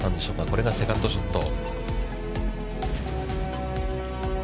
これがセカンドショット。